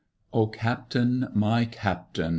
1. O Captain! my Captain!